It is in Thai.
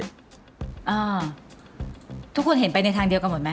อ่าทุกคนเห็นไปในทางเดียวกันหมดไหม